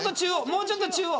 もうちょっと中央。